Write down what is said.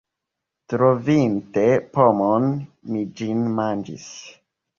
Trovinte pomon, mi ĝin manĝis.